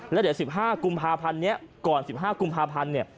แล้วเดี๋ยว๑๕กุมภาพันธ์นี้ก่อน๑๕กุมภาพันธ์เนี่ย